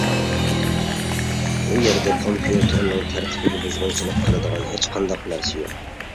ئۇ يەردە كومپيۇتېرنىڭ تەرتىپىگە بۇزغۇنچىلىق قىلىدىغان ھېچقانداق نەرسە يوق.